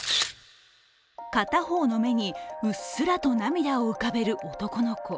片方の目に、うっすらと涙を浮かべる男の子。